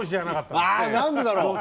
あ何でだろう。